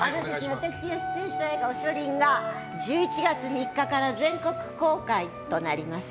私が出演した映画「おしょりん」が１１月３日から全国公開となります。